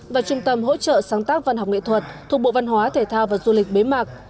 và trung tâm hỗ trợ sáng tác văn học nghệ thuật thuộc bộ văn hóa thể thao và du lịch bế mạc